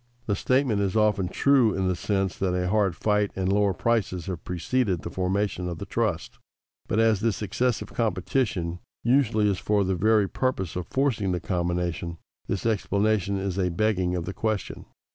_ The statement is often true in the sense that a hard fight and lower prices have preceded the formation of the trust. But as this excessive competition usually is for the very purpose of forcing the combination, this explanation is a begging of the question.